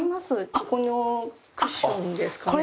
ここのクッションですかね。